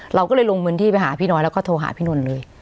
เราก็เลยลงพื้นที่ไปหาพี่น้อยแล้วก็โทรหาพี่นนท์เลย